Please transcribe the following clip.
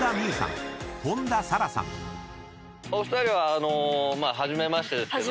お二人は初めましてですけども。